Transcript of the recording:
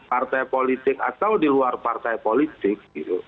partai politik atau di luar partai politik